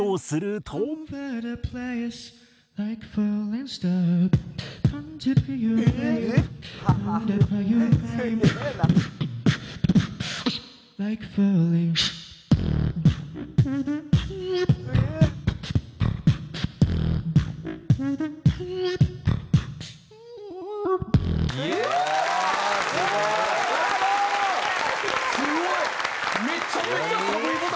すごい！